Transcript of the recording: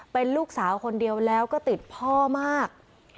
เป็นลูกสาวคนเดียวแล้วก็ติดพ่อมาก